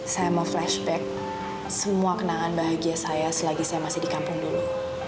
saya mau flashback semua kenangan bahagia saya selagi saya masih di kampung dulu